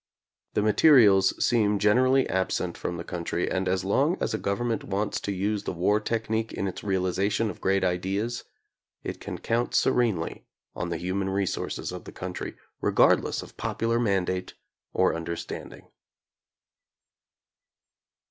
The materials seem generally absent from the country, and as long as a government wants to use the war technique in its realization of great ideas, it can count serenely on the human resources of the country, regardless of popular mandate or understanding.